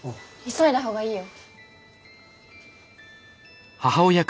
急いだ方がいいよ。